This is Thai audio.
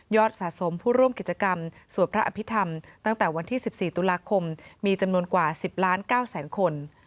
สะสมผู้ร่วมกิจกรรมสวดพระอภิษฐรรมตั้งแต่วันที่๑๔ตุลาคมมีจำนวนกว่า๑๐ล้าน๙แสนคน